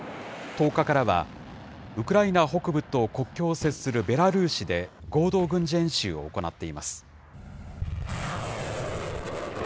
１０日からは、ウクライナ北部と国境を接するベラルーシで合同軍事演習を行っています。